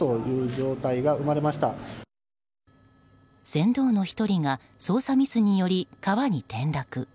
船頭の１人が操作ミスにより川に転落。